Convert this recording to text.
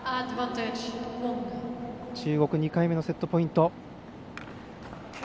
中国、２回目のセットポイント。